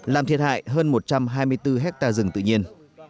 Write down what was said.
làm thiệt hại hơn một trăm hai mươi bốn hectare rừng tự nhiên